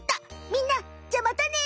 みんなじゃあまたね！